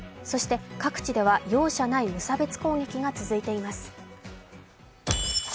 そして各地では容赦ない無差別攻撃が続いています。